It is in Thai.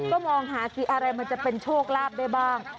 ก็มองหาสิอะไรมันจะเป็นโชคลาภได้บ้าง